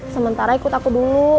sementara ikut aku dulu